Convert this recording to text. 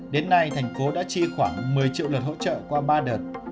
đến nay tp hcm đã chi khoảng một mươi triệu đợt hỗ trợ qua ba đợt